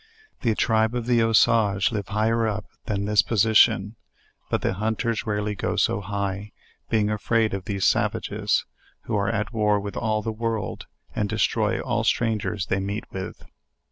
The tribe of the Usage live higher up than this po sition; but the hunters rarely go so high, being afraid of these savages, who are at war with all the world, and destroy all strangers they meet with.